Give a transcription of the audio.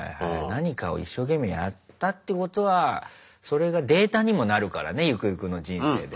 何かを一生懸命やったってことはそれがデータにもなるからねゆくゆくの人生で。